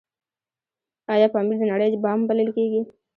آیا پامیر د نړۍ بام بلل کیږي؟